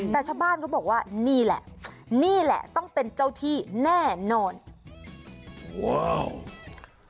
แต่ชาวบ้านเขาบอกว่านี่แหละนี่แหละต้องเป็นเจ้าที่แน่นอนว้าว